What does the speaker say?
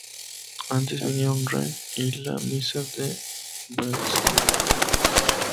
Antes vinieron "Rent" y "La missa de Bernstein".